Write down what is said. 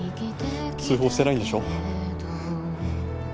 通報してないんでしょ？